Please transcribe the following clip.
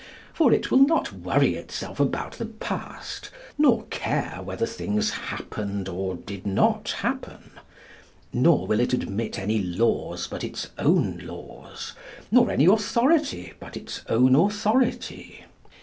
For it will not worry itself about the past, nor care whether things happened or did not happen. Nor will it admit any laws but its own laws; nor any authority but its own authority.